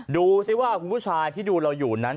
ดูสิว่าคุณผู้ชายที่ดูเราอยู่นั้น